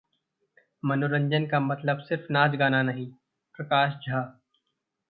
मनोरंजन का मतलब सिर्फ नाच-गाना नहीं: प्रकाश झा